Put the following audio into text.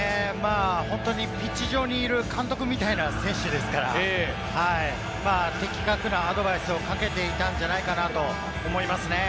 ピッチ上にいる監督みたいな選手ですから、的確なアドバイスをかけていたんじゃないかなと思いますね。